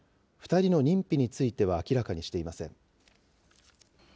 ２人の認否については、明らかにしていません。